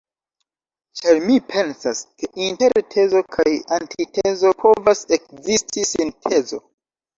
Ĉar mi pensas, ke inter tezo kaj antitezo povas ekzisti sintezo.